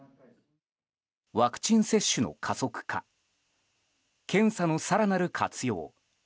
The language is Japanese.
ワクチン接種の加速化検査の更なる活用